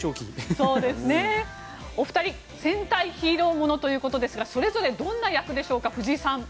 お二人、戦隊ヒーローものということですがそれぞれどんな役でしょうか藤井さん。